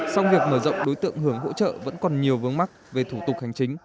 song việc mở rộng đối tượng hưởng hỗ trợ vẫn còn nhiều vướng mắt về thủ tục hành chính